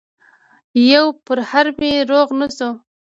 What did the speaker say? يو پرهر مې روغ نه شو